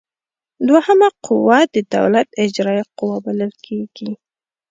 دوهمه قوه د دولت اجراییه قوه بلل کیږي.